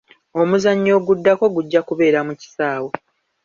Omuzannyo oguddako gujja kubeera mu kisaawe.